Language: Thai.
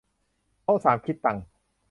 โต๊ะสามคิดตังค์